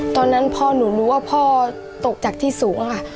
ตอนนั้นพ่อหนูรู้ว่าพ่อตกจากที่สูงค่ะ